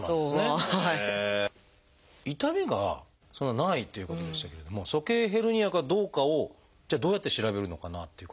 痛みがそんなないっていうことでしたけれども鼠径ヘルニアかどうかをじゃあどうやって調べるのかなっていうことですが。